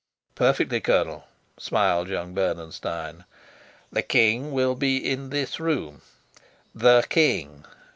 "Perfectly, Colonel," smiled young Bernenstein. "The king will be in this room the king.